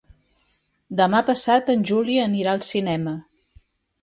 Demà passat en Juli anirà al cinema.